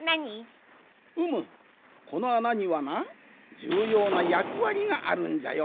うむこのあなにはなじゅうようなやくわりがあるんじゃよ。